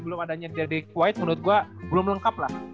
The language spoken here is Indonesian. belum adanya derek white menurut gue belum lengkap lah